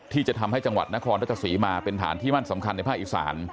ที่จะทำให้จังหวัดนครราชสีมาเป็นฐานที่มั่นสำคัญในภาคอีสาน